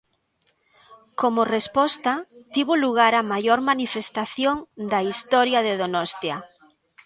Como resposta, tivo lugar a maior manifestación da historia de Donostia.